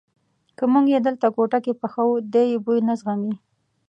که موږ یې دلته کوټه کې پخو دی یې بوی نه زغمي.